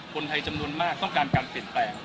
คนไทยจำนวนมากต้องการการเปลี่ยนแปลง